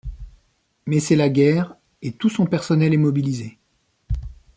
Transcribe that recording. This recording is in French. Mais c'est la guerre et tout son personnel est mobilisé.